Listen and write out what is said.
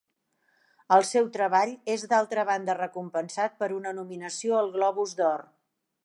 El seu treball és d'altra banda recompensat per una nominació al Globus d'Or.